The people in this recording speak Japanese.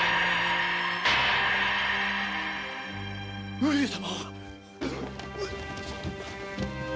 上様！